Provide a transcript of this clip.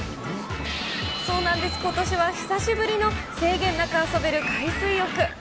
そうなんです、ことしは久しぶりの制限なく遊べる海水浴。